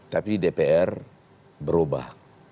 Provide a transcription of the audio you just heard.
tapi dpr berubah